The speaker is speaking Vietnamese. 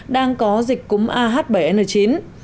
đang có dịch cúng ah bảy n chín